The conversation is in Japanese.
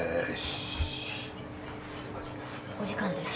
・お時間です。